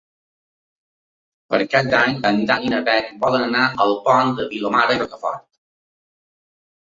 Per Cap d'Any en Dan i na Bet volen anar al Pont de Vilomara i Rocafort.